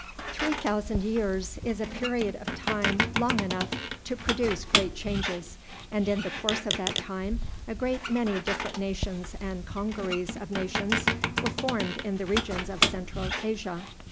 Three thousand years is a period of time long enough to produce great changes, and in the course of that time a great many different nations and congeries of nations were formed in the regions of Central Asia.